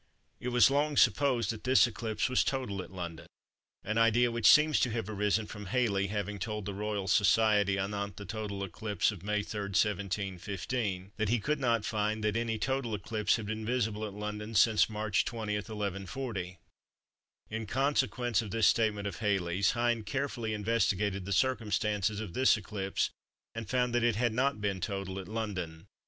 It was long supposed that this eclipse was total at London, an idea which seems to have arisen from Halley having told the Royal Society anent the total eclipse of May 3, 1715, that he could not find that any total eclipse had been visible at London since March 20, 1140. In consequence of this statement of Halley's, Hind carefully investigated the circumstances of this eclipse, and found that it had not been total at London.